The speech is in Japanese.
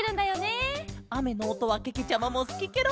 あめのおとはけけちゃまもすきケロ。